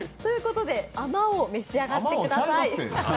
「あまおう」召し上がってください。